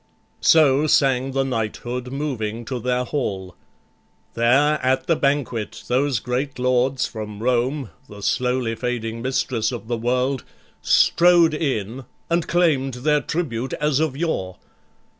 So sang the knighthood, moving to their hall. There at the banquet those great Lords from Rome, The slowly fading mistress of the world, Strode in, and claim'd their tribute as of yore.